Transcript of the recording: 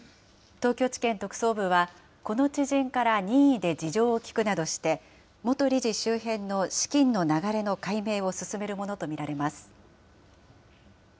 東京地検特捜部は、この知人から任意で事情を聴くなどして、元理事周辺の資金の流れの解明を進めるものと見られます。